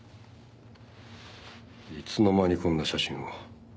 いつの間にこんな写真を。